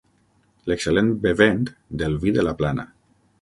L'excel·lent bevent del vi de la plana.